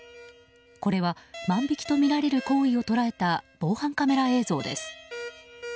これは万引きとみられる行為を捉えた防犯カメラ映像です。